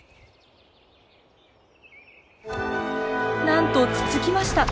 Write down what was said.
なんとつつきました！